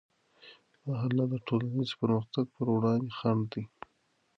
دا حالت د ټولنیز پرمختګ پر وړاندې خنډ دی.